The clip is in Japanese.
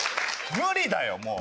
無理だよもう！